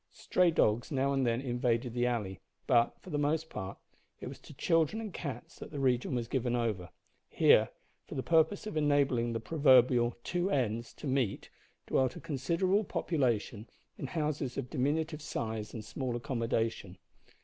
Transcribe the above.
Stray dogs now and then invaded the alley, but, for the most part, it was to children and cats that the region was given over. Here, for the purpose of enabling the proverbial "two ends" to "meet," dwelt a considerable population in houses of diminutive size and small accommodation.